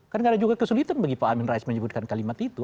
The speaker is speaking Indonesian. kan nggak ada juga kesulitan bagi pak amin rais menyebutkan kalimat itu